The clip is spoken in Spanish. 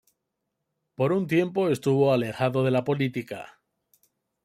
Por un tiempo estuvo alejado de la política.